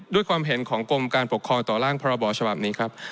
ด้วยความเห็นของกรมการปกครองต่อร่างพรบฉบับนี้ครับ